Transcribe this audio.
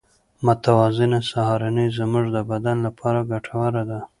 متوازنه سهارنۍ زموږ د بدن لپاره ګټوره ده.